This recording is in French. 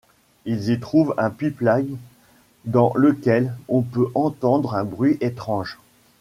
Ils y trouvent un pipe-line dans lequel on peut entendre un bruit étrange.